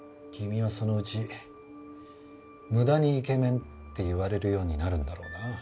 君はそのうち「無駄にイケメン」って言われるようになるんだろうな。